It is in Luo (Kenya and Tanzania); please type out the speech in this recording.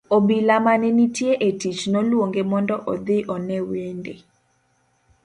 Obila mane nitie e tich noluonge mondo odhi one wende.